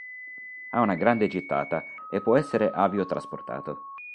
Ha una grande gittata e può essere aviotrasportato.